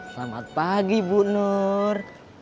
selamat pagi bu nur